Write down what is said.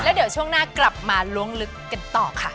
เดี๋ยวช่วงหน้ากลับมาล้วงลึกกันต่อค่ะ